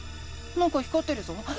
なんか光ってるぞ。